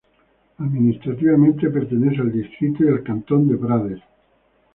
Administrativamente, pertenece al distrito y al cantón de Prades.